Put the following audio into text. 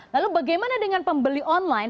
lalu bagaimana dengan pembeli online